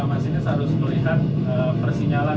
masinis harus melihat persinyalan